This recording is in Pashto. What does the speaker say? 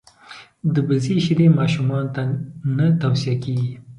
دبزې شیدي ماشومانوته نه تو صیه کیږي.